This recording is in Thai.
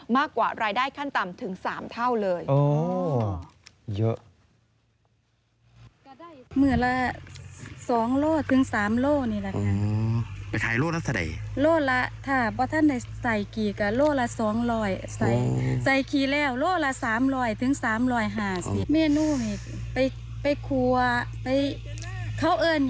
กว่ารายได้ขั้นต่ำถึง๓เท่าเลย